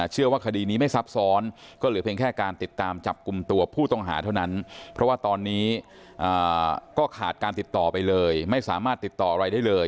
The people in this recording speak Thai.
เชื่อว่าคดีนี้ไม่ซับซ้อนก็เหลือเพียงแค่การติดตามจับกลุ่มตัวผู้ต้องหาเท่านั้นเพราะว่าตอนนี้ก็ขาดการติดต่อไปเลยไม่สามารถติดต่ออะไรได้เลย